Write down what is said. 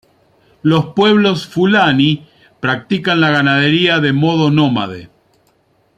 Los pueblos fulani practican la ganadería de modo nómade.